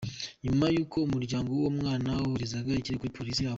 Nyuma y’uko umuryango w’uwo mwana woherezaga ikirego kuri polisi, abo.